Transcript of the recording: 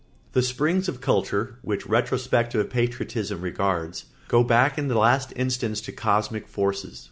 ] The springs of culture, which retrospective patriotism regards, go back in the last instance to cosmic forces.